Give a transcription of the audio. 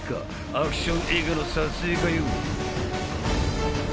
アクション映画の撮影かよう？